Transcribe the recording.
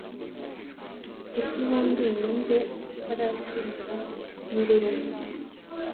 ese ubundi ni nde utaracumura n'ururimi rwe